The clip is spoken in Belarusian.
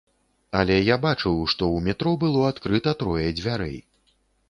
Але я бачыў, што ў метро было адкрыта трое дзвярэй.